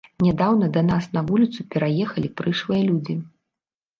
Нядаўна да нас на вуліцу пераехалі прышлыя людзі.